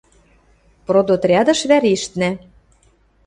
Продотрядыш вӓрештнӓ.